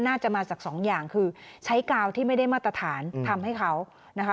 น่าจะมาจากสองอย่างคือใช้กาวที่ไม่ได้มาตรฐานทำให้เขานะคะ